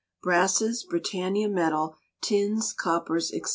Brasses, Britannia Metal, Tins, Coppers, &c.